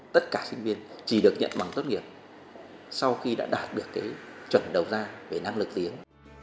tất cả sinh viên chỉ được nhận bằng tốt nghiệp sau khi đã đạt được cái chuẩn đầu ra về năng lực tiếng